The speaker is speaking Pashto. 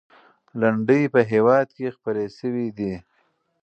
لنډۍ په هېواد کې خپرې سوي دي.